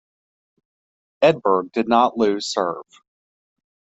Edberg did not lose serve.